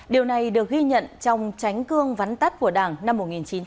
điều này được ghi nhận trong tránh cương vắn tắt của đảng năm một nghìn chín trăm bảy mươi